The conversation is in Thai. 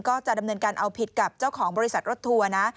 ก็จะดำเนินการเอาผิดกับเจ้าของบริษัทรถทัวร์นะ